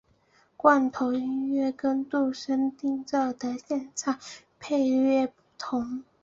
罐头音乐跟度身订造的现场配乐不同。